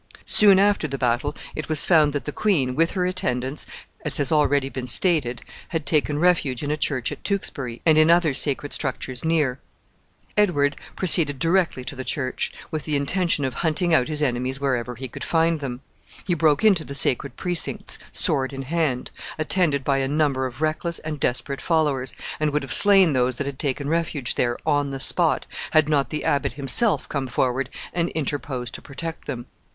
Soon after the battle, it was found that the queen, with her attendants, as has already been stated, had taken refuge in a church at Tewkesbury, and in other sacred structures near. Edward proceeded directly to the church, with the intention of hunting out his enemies wherever he could find them. He broke into the sacred precincts, sword in hand, attended by a number of reckless and desperate followers, and would have slain those that had taken refuge there, on the spot, had not the abbot himself come forward and interposed to protect them.